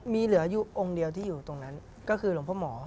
มีเหลืออยู่องค์เดียวที่อยู่ตรงนั้นก็คือหลวงพ่อหมอ